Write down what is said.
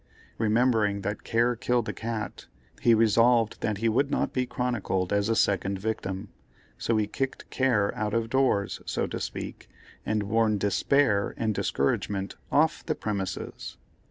Remembering that "Care killed a cat," he resolved that he would not be chronicled as a second victim, so he kicked Care out of doors, so to speak, and warned Despair and Discouragement off the premises.